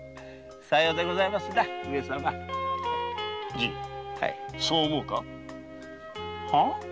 じぃそう思うか。はあ？